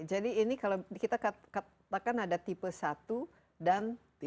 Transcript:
jadi ini kalau kita katakan ada tipe satu dan tipe dua